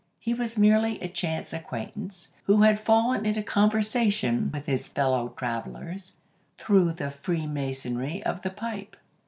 He was merely a chance acquaintance, who had fallen into conversation with his fellow travellers through the freemasonry of the pipe.